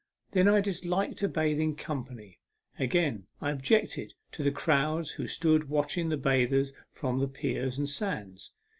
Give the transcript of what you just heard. Then I disliked to bathe in company. Again, I objected to the crowds who stood watching the bathers from the piers and sands.